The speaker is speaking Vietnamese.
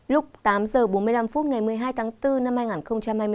lúc tám h bốn mươi năm phút ngày một mươi hai tháng bốn năm hai nghìn hai mươi